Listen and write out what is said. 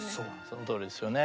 そのとおりですよね。